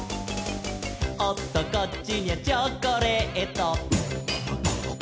「おっとこっちにゃチョコレート」